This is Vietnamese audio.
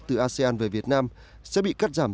từ asean về việt nam sẽ bị cắt giảm